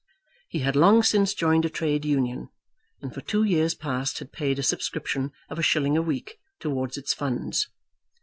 He had long since joined a Trade Union, and for two years past had paid a subscription of a shilling a week towards its funds.